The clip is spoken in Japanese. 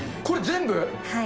これ、全部？